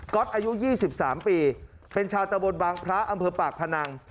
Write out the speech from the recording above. อตอายุ๒๓ปีเป็นชาวตะบนบางพระอำเภอปากพนัง